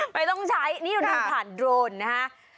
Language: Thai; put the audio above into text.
ไม่ต้องใช้นี่อยู่นั่นผ่านโดรนนะคะ